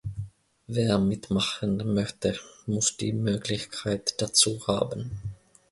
Wer mitmachen möchte, muss die Möglichkeit dazu haben.